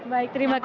baik terima kasih